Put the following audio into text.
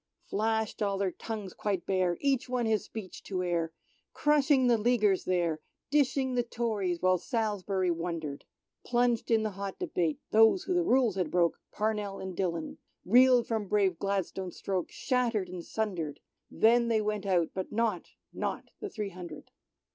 Flashed all their tongues quite bare, each one his speech to air, Crushing the Leaguers there, dishing the Tories while Salisbury wondered. Plunged in the hot debate, those who the rules had broke — Parnell and Dillon — reeled from brave Gladstone's stroke shattered and sundered ; Then they went out, but not — not the three hundred.